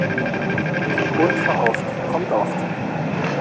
Unverhofft kommt oft.